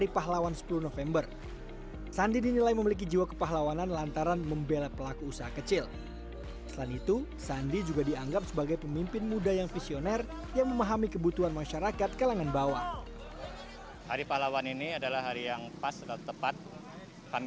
pelaku umkm melihat sosok pak sandi beliau sangat mengerti keluh kesah kami